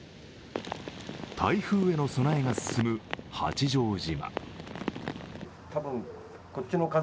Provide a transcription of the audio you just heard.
台風への備えが進む八丈島。